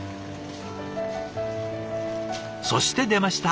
そして出ました。